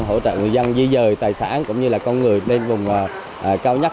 hỗ trợ người dân di dời tài sản cũng như là con người lên vùng cao nhất